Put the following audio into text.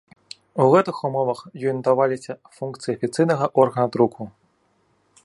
У гэтых умовах ёй надаваліся функцыі афіцыйнага органа друку.